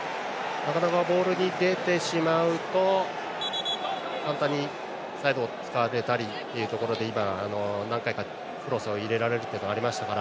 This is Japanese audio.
体がボールに出てしまうと簡単にサイドを使われたりというところで今、何回かクロスを入れられましたから。